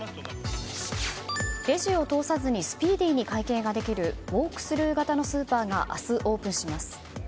レジを通さずにスピーディーに会計ができるウォークスルー型のスーパーが明日オープンします。